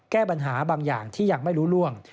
แก้ปัญหาบางอย่างที่ยังไม่รู้ล่วง